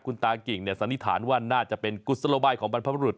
คุณตากิ่งสันนิษฐานว่าน่าจะเป็นกุศโลบายของบรรพบรุษ